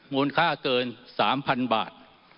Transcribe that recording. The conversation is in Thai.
มูลค่าเกิน๓๐๐๐บาท